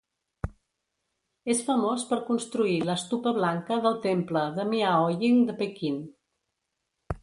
És famós per construir l'"estupa" blanca del temple de Miaoying de Pequín.